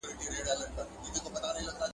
زه پرون سفر وکړ!